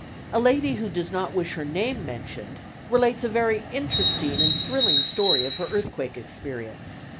A lady who does not wish her name mentioned relates a very interesting and thrilling story of her earthquake experience.